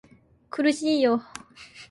苦しいよ